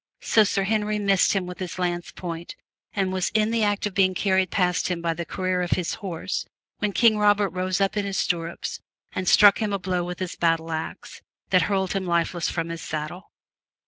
So Sir Henry missed him with his lance point and was in the act of being carried past him by the career of his horse when King Robert rose up in his stirrups and struck him a blow with his battle axe that hurled him lifeless from his saddle.